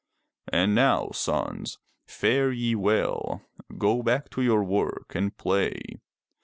And now, sons, fare ye well. Go back to your work and play.